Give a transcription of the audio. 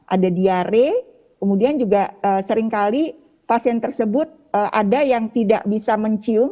ada diare kemudian juga seringkali pasien tersebut ada yang tidak bisa mencium